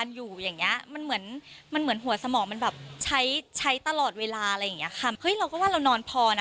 เราก็ว่าเรานอนพอนะ